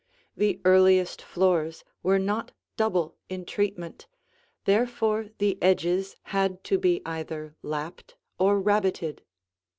The earliest floors were not double in treatment, therefore the edges had to be either lapped or rabbited.